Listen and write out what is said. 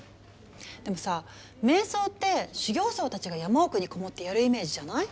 でもさ瞑想って修行僧たちが山奥に籠もってやるイメージじゃない？